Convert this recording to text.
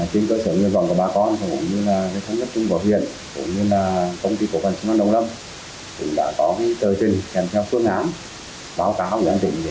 chính cơ sở nguyện vọng của bà con cũng như là công ty cổ phần xi măng đồng lâm